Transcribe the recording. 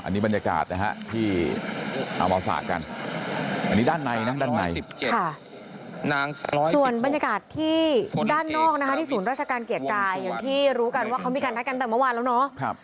นี่บรรยากาศนะฮะที่เอามาฝากกันอันนี้ด้านในนะด้านในส่วนบรรยากาศที่ด้านนอกนะคะที่ศูนย์ราชการเกียรติกายอย่างที่รู้กันว่าเขามีการนัดกันแต่เมื่อวานแล้วเนาะ